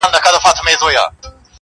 چا ویل؟ چي سوځم له انګار سره مي نه لګي،